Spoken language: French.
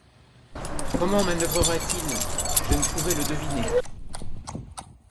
Comment manœuvrerait-il, je ne pouvais le deviner.